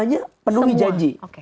hanya penuhi janji